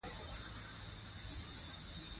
ازادي راډیو د سیاست وضعیت انځور کړی.